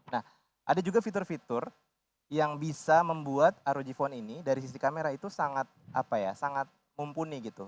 nah ada juga fitur fitur yang bisa membuat rog phone ini dari sisi kamera itu sangat mumpuni gitu